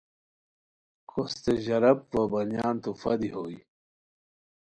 کوستے ژراب وا بنیان تخفہ دی دوئے